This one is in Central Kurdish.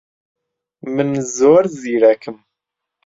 من زۆر زیرەکم.